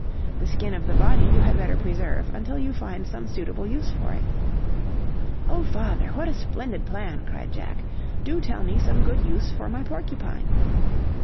The skin of the body you had better preserve until you find some suitable use for it." "Oh, father, what a splendid plan!" cried Jack; "do tell me some good use for my porcupine."